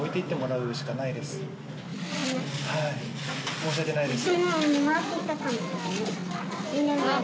申し訳ないです。